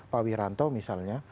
pak wiranto misalnya